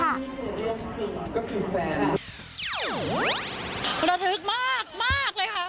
เราเทศึกมากเลยค่ะ